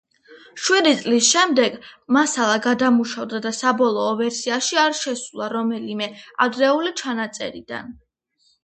შვიდი წლის შემდეგ მასალა გადამუშავდა და საბოლოო ვერსიაში არ შესულა რომელიმე ადრეული ჩანაწერიდან.